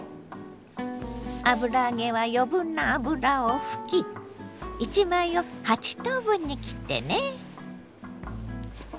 油揚げは余分な油を拭き１枚を８等分に切ってね。